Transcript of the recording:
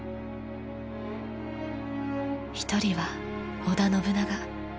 一人は織田信長。